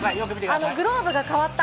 グローブが変わった。